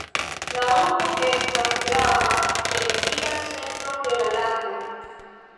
La urbo estas grava religia centro de la lando.